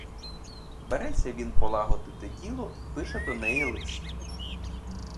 Береться він полагодити діло і пише до неї лист.